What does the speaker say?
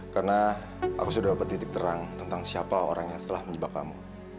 karena aku sudah dapat titik terang tentang siapa orang yang setelah menyebab kamu